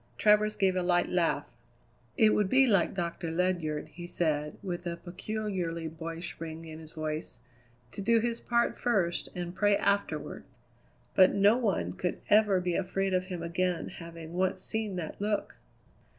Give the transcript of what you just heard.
Travers gave a light laugh. "It would be like Doctor Ledyard," he said with a peculiarly boyish ring in his voice, "to do his part first and pray afterward." "But no one could ever be afraid of him again having once seen that look!"